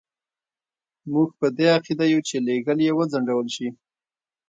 موږ په دې عقیده یو چې لېږل یې وځنډول شي.